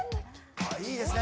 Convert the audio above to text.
ああいいですね